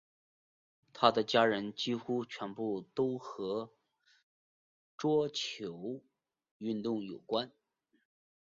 她的家人几乎全部都和桌球运动有关。